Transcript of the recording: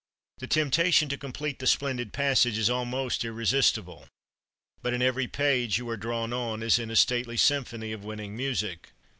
The temptation to complete the splendid passage is almost irresistible. But in every page you are drawn on as in a stately symphony of winning music.